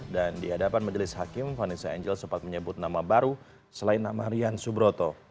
dan di hadapan medelis hakim vanessa angel sempat menyebut nama baru selain nama rian subroto